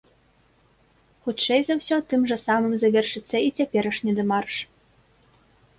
Хутчэй за ўсё, тым жа самым завершыцца і цяперашні дэмарш.